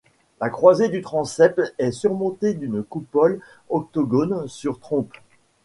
La croisée du transept est surmontée d’une coupole octogone sur trompes.